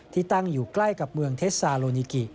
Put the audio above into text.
ที่ตั้งอยู่ใกล้กับเมืองเทสซาโลนิกิ